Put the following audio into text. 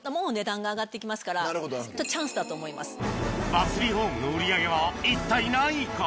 バスリフォームの売り上げは一体何位か？